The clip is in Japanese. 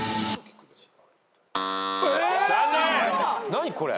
何これ。